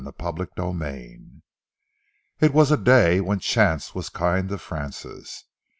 CHAPTER XXI It was a day when chance was kind to Francis.